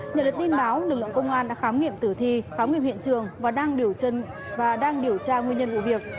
nhờ được tin báo lực lượng công an đã khám nghiệm tử thi khám nghiệm hiện trường và đang điều tra nguyên nhân vụ việc